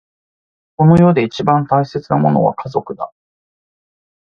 この世で一番大切なものは家族だ。